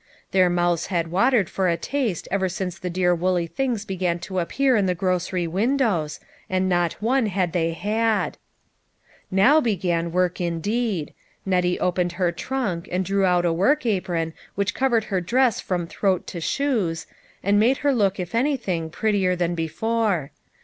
Their mouths had watered for a taste ever since the dear woolly things began to appear in the gro cery windows, and not one had they had ! Now began work indeed. Nettie opened her trunk and drew out a work apron which covered her dress from throat to shoes, and made her look if anything, prettier than before.